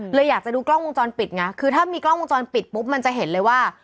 อยากจะดูกล้องวงจรปิดไงคือถ้ามีกล้องวงจรปิดปุ๊บมันจะเห็นเลยว่า